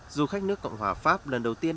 du khách nước cộng hòa pháp lần đầu tiên